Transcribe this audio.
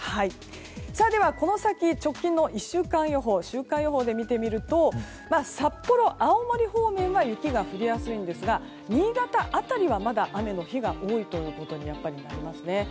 では、この先直近の１週間予報週間予報で見てみると札幌、青森方面は雪が降りやすいんですが新潟辺りはまだ雨の日が多いということになります。